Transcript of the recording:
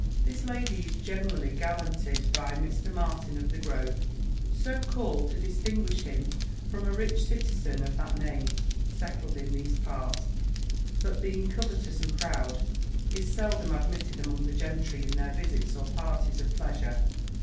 This lady is generally gallanted by Mr. Martin of the Grove, so called, to distinguish him from a rich citizen of that name, settled in these parts, but being covetous and proud, is seldom admitted among the gentry in their visits or parties of pleasure.